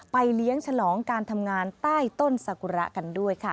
เลี้ยงฉลองการทำงานใต้ต้นสกุระกันด้วยค่ะ